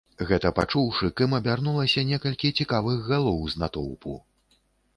Гэта пачуўшы, к ім абярнулася некалькі цікавых галоў з натоўпу.